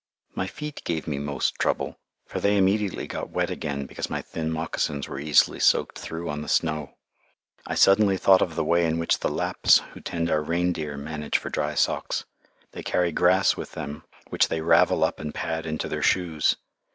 My feet gave me most trouble, for they immediately got wet again because my thin moccasins were easily soaked through on the snow. I suddenly thought of the way in which the Lapps who tend our reindeer manage for dry socks. They carry grass with them, which they ravel up and pad into their shoes.